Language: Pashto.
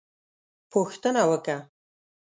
_پوښتنه وکه!